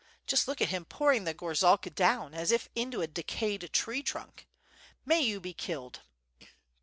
Just look at him pouring the gorzalka down, as if into a decayed tree trunk. May you be killed!"